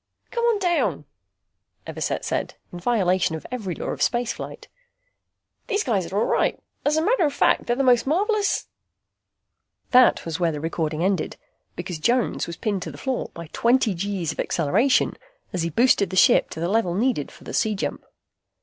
"Come on down," Everset said, in violation of every law of spaceflight. "These guys are all right. As a matter of fact, they're the most marvelous " That was where the recording ended, because Jones was pinned to the floor by twenty G's acceleration as he boosted the ship to the level needed for the C jump.